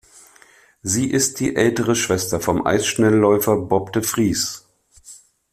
Sie ist die ältere Schwester vom Eisschnellläufer Bob de Vries.